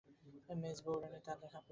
মেজ বৌ-রানী তাহার লেখা পড়িয়াছেন।